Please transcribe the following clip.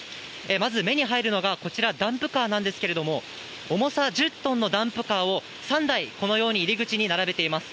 まず、目に入るのがこちら、ダンプカーなんですけれども、重さ１０トンのダンプカーを３台、このように入り口に並べています。